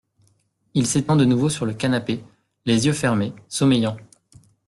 Il s’étend de nouveau sur le canapé, les yeux fermés, sommeillant.